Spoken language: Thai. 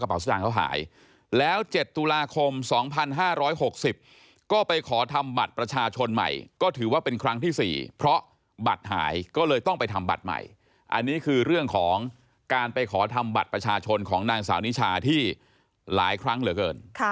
หายแล้ว๗ตุลาคม๒๕๖๐ก็ไปขอทำบัตรประชาชนใหม่ก็ถือว่าเป็นครั้งที่๔เพราะบัตรหายก็เลยต้องไปทำบัตรใหม่อันนี้คือเรื่องของการไปขอทำบัตรประชาชนของนางสาวนิชาที่หลายครั้งเหลือเกิน